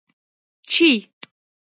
— Чий!